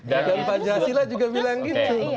dan pak jasilah juga bilang gitu